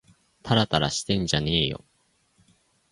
たらたらしてんじゃねぇよ